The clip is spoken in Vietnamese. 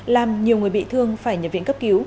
làm nhiều người bị thương phải nhập viện cấp cứu